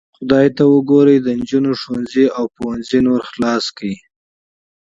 خدای ته وګورئ د نجونو ښوونځي او پوهنځي نور پرانیزئ.